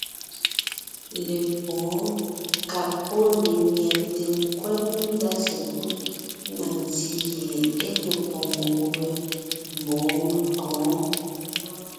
Lepwóon ka pɔ́ lenyɛte nkwɛ́ mendá sekúd na ntí gie é ge poŋ gubé mbɔ̌ menkǒ.